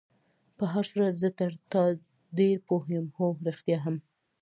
په هر صورت زه تر تا ډېر پوه یم، هو، رښتیا هم.